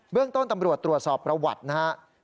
เรื่องต้นตำรวจตรวจสอบประวัตินะครับ